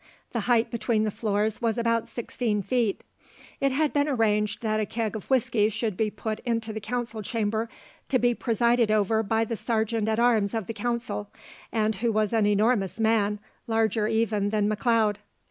The height between the floors was about sixteen feet. It had been arranged that a keg of whisky should be put into the council chamber, to be presided over by the sergeant at arms of the council, who was an enormous man, larger even than McLeod.